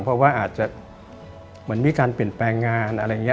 เพราะว่าอาจจะเหมือนมีการเปลี่ยนแปลงงานอะไรอย่างนี้